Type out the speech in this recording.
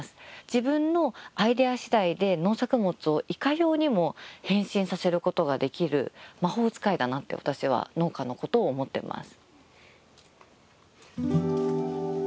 自分のアイデア次第で農作物をいかようにも変身させることができる魔法使いだなって私は農家のことを思ってます。